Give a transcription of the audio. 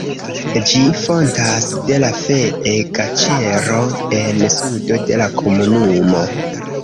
Ĝi fontas de la Fee-Glaĉero en sudo de la komunumo.